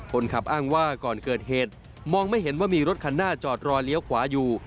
คนขับอ้างว่าก่อนเกิดเหตุมองไม่เห็นว่ามีรถคันหน้าจอดรอเลี้ยวขวาอยู่